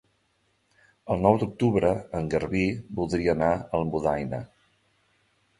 El nou d'octubre en Garbí voldria anar a Almudaina.